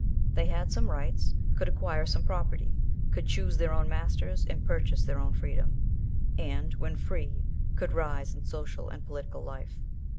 They had some rights could acquire some property; could choose their own masters, and purchase their own freedom; and, when free, could rise in social and political life.